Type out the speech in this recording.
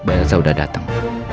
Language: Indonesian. elsa udah dateng